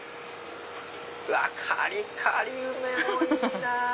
うわカリカリ梅もいいなぁ。